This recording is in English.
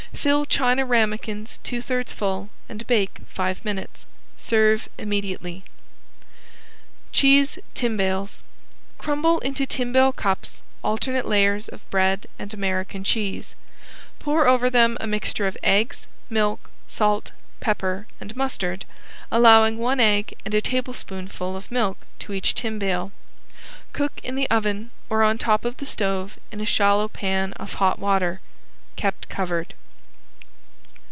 Fill china ramekins two thirds full and bake five minutes. Serve immediately. ~CHEESE TIMBALES~ Crumble into timbale cups, alternate layers of bread and American cheese. Pour over them a mixture of eggs, milk, salt, pepper and mustard, allowing one egg and a tablespoonful of milk to each timbale. Cook in the oven or on top of the stove in a shallow pan of hot water, kept covered.